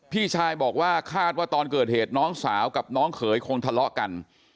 พี่ชายบอกว่าคาดว่าตอนเกิดเหตุน้องสาวกับน้องเขยคงทะเลาะกัน